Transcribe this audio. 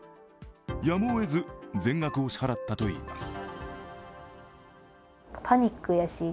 やむをえず、全額を支払ったといいます。